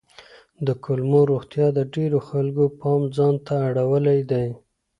د کولمو روغتیا د ډېرو خلکو پام ځان ته اړولی دی.